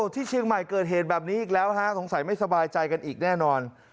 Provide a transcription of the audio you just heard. ที่เชียงใหม่เกิดเหตุแบบนี้อีกแล้วฮะสงสัยไม่สบายใจกันอีกแน่นอน